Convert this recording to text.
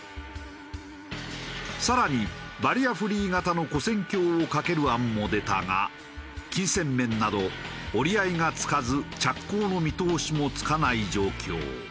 更にバリアフリー型の跨線橋を架ける案も出たが金銭面など折り合いがつかず着工の見通しもつかない状況。